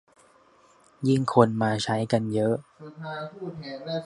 ยิ่งคนมาใช้กันเยอะ